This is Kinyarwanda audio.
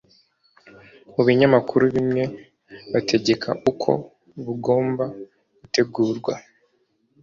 mu binyamakuru bimwe bategeka uko bugomba gutegurwa